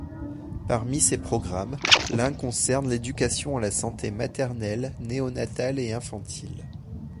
Parmi ses programmes, l'un concerne l'éducation à la santé maternelle, néonatale et infantile.